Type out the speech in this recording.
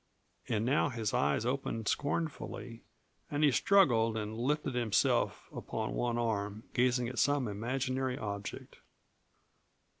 And now his eyes opened scornfully and he struggled and lifted himself upon one arm, gazing at some imaginary object.